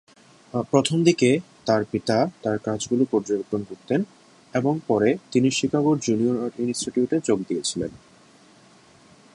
প্রথম দিকে তাঁর পিতা তাঁর কাজগুলো পর্যবেক্ষণ করতেন এবং পরে তিনি শিকাগোর জুনিয়র আর্ট ইনস্টিটিউটে যোগ দিয়েছিলেন।